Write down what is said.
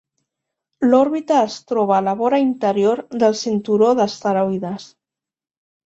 L'òrbita es troba a la vora interior del cinturó d'asteroides.